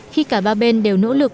khi cả ba bên đều nỗ lực